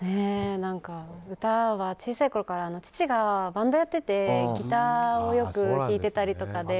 歌は小さいころから父がバンドをやっていてギターをよく弾いてたりとかで。